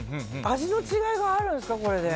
味の違いがあるんですかね？